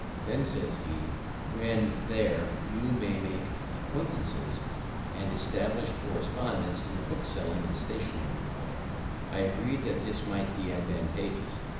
"Then," says he, "when there, you may make acquaintances, and establish correspondences in the bookselling and stationery way." I agreed that this might be advantageous.